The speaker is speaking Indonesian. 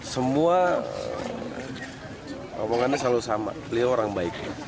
semua omongannya selalu sama beliau orang baik